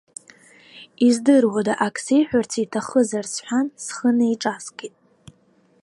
Издыруада ак сеиҳәарц иҭахызар сҳәан, схы неиҿаскит.